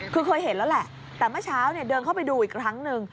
คือเคยเห็นแล้วแหละแต่เมื่อเช้าเนี่ยเดินเข้าไปดูอีกครั้งหนึ่ง